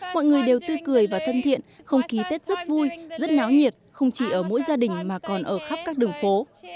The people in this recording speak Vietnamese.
mọi người đều tư cười và thân thiện không khí tết rất vui rất náo nhiệt không chỉ ở mỗi gia đình mà còn ở khắp các đường phố